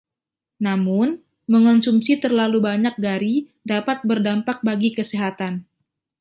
Namun, mengonsumsi terlalu banyak garri dapat berdampak bagi kesehatan.